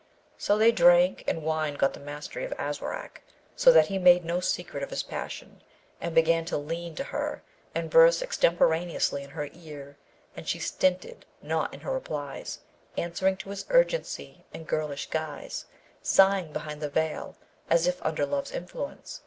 So they drank, and wine got the mastery of Aswarak, so that he made no secret of his passion, and began to lean to her and verse extemporaneously in her ear; and she stinted not in her replies, answering to his urgency in girlish guise, sighing behind the veil, as if under love's influence.